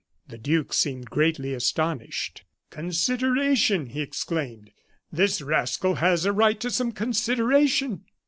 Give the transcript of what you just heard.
The duke seemed greatly astonished. "Consideration!" he exclaimed. "This rascal has a right to some consideration!